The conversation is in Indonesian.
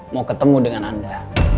mau ketemu dengan anda